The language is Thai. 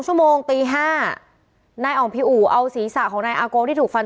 ชั่วโมงตี๕นายอ่องพิอู่เอาศีรษะของนายอาโกที่ถูกฟัน